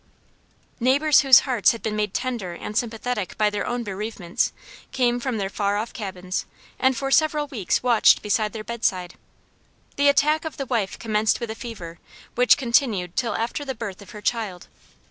Neighbors whose hearts had been made tender and sympathetic by their own bereavements, came from their far off cabins and for several weeks watched beside their bedside. The attack of the wife commenced with a fever which continued till after the birth of her child.